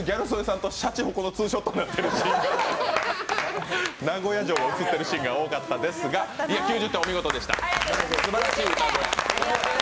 途中、ギャル曽根さんとしゃちほこのツーショットになってるし、名古屋城が映ってるシーンが多かったですが、９０点、お見事でした。